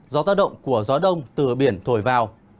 gió tác động của gió đông từ biển thổi vào